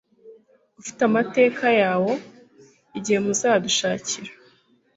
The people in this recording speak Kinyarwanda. ufite amateka yawo Igihe muzayadushakire